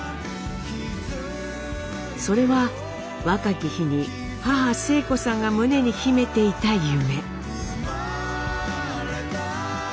それは若き日に母晴子さんが胸に秘めていた夢。